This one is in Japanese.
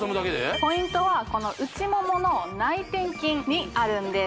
ポイントは内ももの内転筋にあるんです